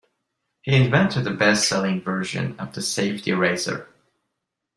He invented a best selling version of the safety razor.